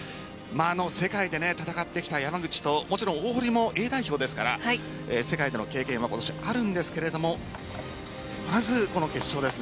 世界で戦ってきた山口と大堀もＡ代表ですから世界での経験は今年あるんですがまず、この決勝ですね。